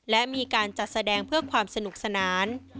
และมีการจัดแสดงเพื่อความสนุกสนาน